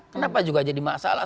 kenapa juga jadi masalah